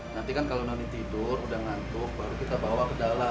nanti kan kalau nanti tidur udah ngantuk baru kita bawa ke dalam